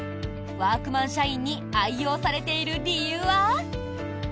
ワークマン社員に愛用されている理由は。